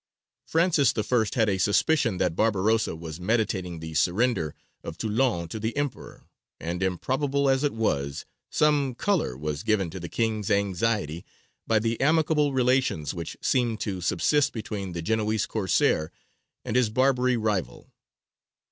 Francis I. had a suspicion that Barbarossa was meditating the surrender of Toulon to the Emperor, and, improbable as it was, some colour was given to the King's anxiety by the amicable relations which seemed to subsist between the Genoese Corsair and his Barbary rival.